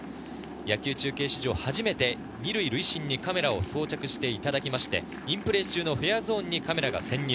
野球中継史上初めて２塁塁審にカメラを装着いただいてインプレー中のフェアゾーンにカメラが潜入。